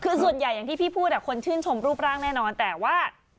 คือส่วนใหญ่อย่างที่พี่พูดคนชื่นชมรูปร่างแน่นอนแต่ว่า